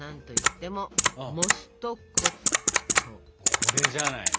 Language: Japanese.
これじゃないの？